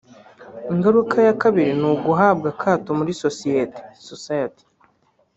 Ingaruka ya kabiri ni uguhabwa akato muri sosiyete (society)